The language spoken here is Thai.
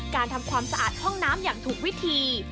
ทำความสะอาดห้องน้ำอย่างถูกวิธี